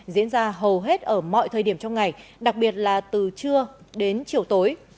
diễn ra hầu hết ở mọi thời điểm trong ngày đặc biệt là từ trưa đến chiều tối